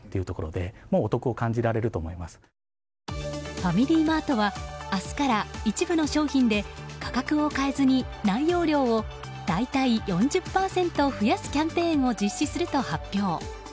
ファミリーマートは明日から一部の商品で価格を変えずに内容量をだいたい４０％増やすキャンペーンを実施すると発表。